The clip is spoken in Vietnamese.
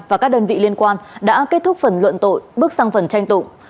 và các đơn vị liên quan đã kết thúc phần luận tội bước sang phần tranh tụng